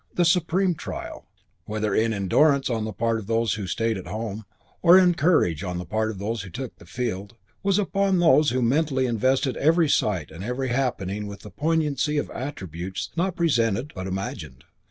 The supreme trial, whether in endurance on the part of those who stayed at home, or in courage on the part of those who took the field, was upon those whose mentality invested every sight and every happening with the poignancy of attributes not present but imagined.